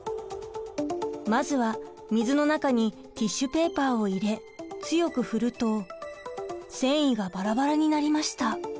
まずは水の中にティッシュペーパーを入れ強く振ると繊維がバラバラになりました。